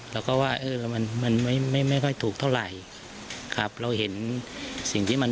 เราก็ว่าเออมันมันไม่ไม่ไม่ค่อยถูกเท่าไหร่ครับเราเห็นสิ่งที่มัน